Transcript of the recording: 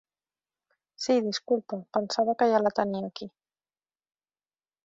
Sí, disculpa, pensava que ja la tenia aquí.